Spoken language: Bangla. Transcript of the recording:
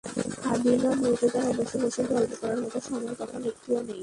হামিদা মুর্তজার অবশ্য বসে গল্প করার মতো সময় তখন একটুও নেই।